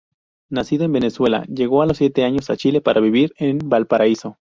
Nacido en Venezuela llegó a los siete años a Chile para vivir en Valparaíso.